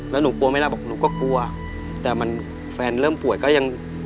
แล้วหนูกลัวไหมล่ะบอกหนูก็กลัวแต่มันแฟนเริ่มป่วยก็ยัง